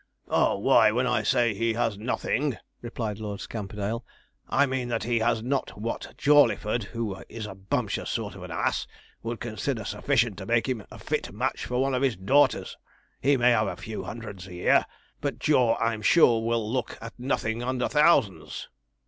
'Oh, why, when I say he has nothing,' replied Lord Scamperdale, 'I mean that he has not what Jawleyford, who is a bumptious sort of an ass, would consider sufficient to make him a fit match for one of his daughters. He may have a few hundreds a year, but Jaw, I'm sure, will look at nothing under thousands.'